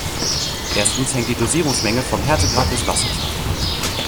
Erstens hängt die Dosierungsmenge vom Härtegrad des Wassers ab.